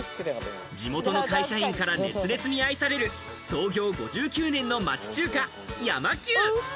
地元の会社員から熱烈に愛される創業５９年の町中華・山久。